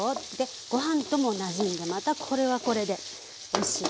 ご飯ともなじんでまたこれはこれでおいしい。